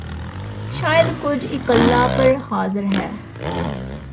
ਸ਼ਾਇਦ ਕੁਝ ਇਕੱਲਾ ਪਰ ਹਾਜ਼ਰ ਹੈ